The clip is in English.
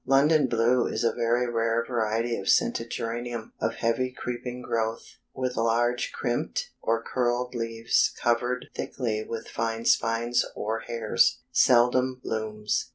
London Blue is a very rare variety of scented geranium, of heavy creeping growth, with large crimped or curled leaves covered thickly with fine spines or hairs. Seldom blooms.